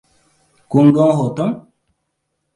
Kun ga hoton?